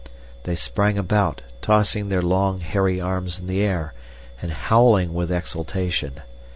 They sprang about, tossing their long, hairy arms in the air and howling with exultation.